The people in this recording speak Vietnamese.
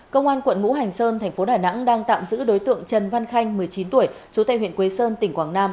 công an quận ngũ hành sơn thành phố đà nẵng đang tạm giữ đối tượng trần văn khanh một mươi chín tuổi chú tây huyện quế sơn tỉnh quảng nam